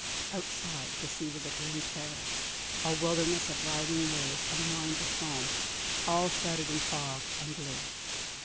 Outside, the sea was a grim terror, a wildness of rising waves and lines of foam, all shrouded in fog and gloom.